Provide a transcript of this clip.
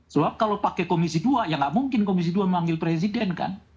soalnya kalau pakai komisi dua ya nggak mungkin komisi dua memanggil presiden kan